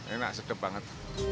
enak sedap banget